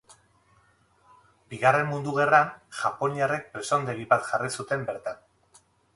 Bigarren Mundu Gerran japoniarrek presondegi bat jarri zuten bertan.